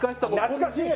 懐かしい！